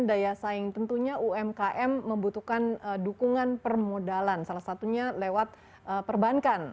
daya saing tentunya umkm membutuhkan dukungan permodalan salah satunya lewat perbankan